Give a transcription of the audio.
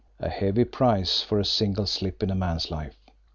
A heavy price for a single slip in a man's life!